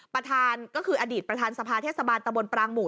ประธานก็คืออดีตประธานสภาเทศบาลตะบนปรางหมู่